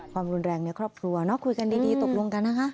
ความรุนแรงในครอบครัวคุยกันดีตกลงกันนะคะ